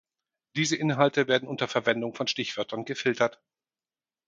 Diese Inhalte werden unter Verwendung von Stichwörtern gefiltert.